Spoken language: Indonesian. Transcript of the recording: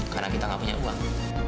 karena kita gak punya uang